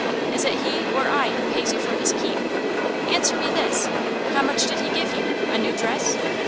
Is it he or I who pays you for his keep? Answer me that. How much did he give you a new dress?"